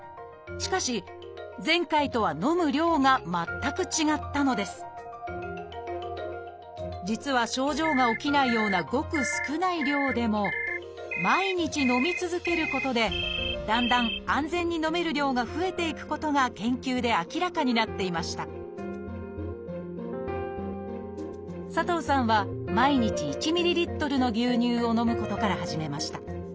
しかし前回とは飲む量が全く違ったのです実は症状が起きないようなごく少ない量でも毎日飲み続けることでだんだん安全に飲める量が増えていくことが研究で明らかになっていました佐藤さんは毎日１ｍＬの牛乳を飲むことから始めました。